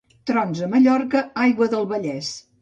Trons a Mallorca, aigua del Vallès.